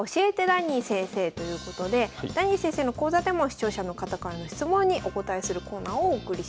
ダニー先生」ということでダニー先生の講座でも視聴者の方からの質問にお答えするコーナーをお送りします。